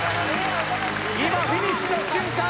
今フィニッシュの瞬間